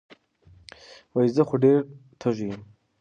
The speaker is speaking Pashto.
وې زۀ خو ډېر تږے يم